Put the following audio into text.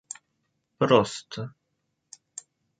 просто